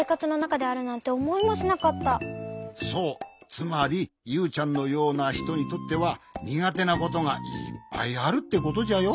つまりユウちゃんのようなひとにとってはにがてなことがいっぱいあるってことじゃよ。